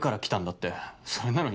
ってそれなのに